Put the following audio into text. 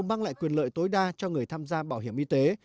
mang lại quyền lợi tối đa cho người tham gia bảo hiểm y tế